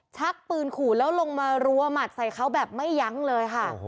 ชักปืนขู่แล้วลงมารัวหมัดใส่เขาแบบไม่ยั้งเลยค่ะ